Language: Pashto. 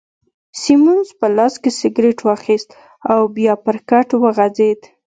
سیمونز په لاس کي سګرېټ واخیست او بیا پر کټ وغځېد.